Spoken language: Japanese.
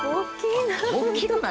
大きいな。